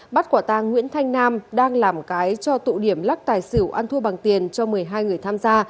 bắt quả tàng nguyễn thanh nam đang làm cái cho tụ điểm lắc tài xỉu ăn thua bằng tiền cho một mươi hai người tham gia